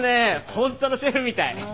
ホントのシェフみたい。